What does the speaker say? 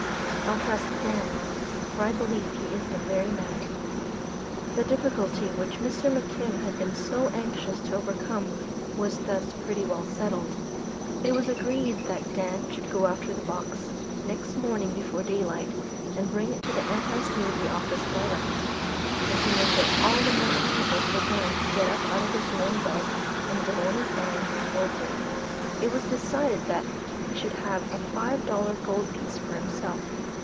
I'll trust Dan, for I believe he is the very man." The difficulty which Mr. McKim had been so anxious to overcome was thus pretty well settled. It was agreed that Dan should go after the box next morning before daylight and bring it to the Anti Slavery office direct, and to make it all the more agreeable for Dan to get up out of his warm bed and go on this errand before day, it was decided that he should have a five dollar gold piece for himself.